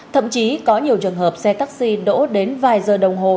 thậm chí có nhiều trường hợp xe taxi đỗ đến vài giờ đồng hồ